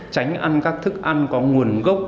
tránh ăn các thức ăn có nguồn gốc